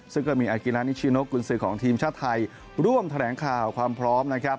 ซึ่งก็มีอากิลานิชิโนกุญสือของทีมชาติไทยร่วมแถลงข่าวความพร้อมนะครับ